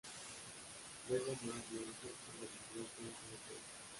Luego más mantra y la visualización se disuelve.